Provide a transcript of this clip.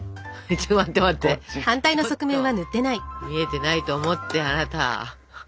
ちょっと見えてないと思ってあなた。